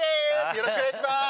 よろしくお願いします。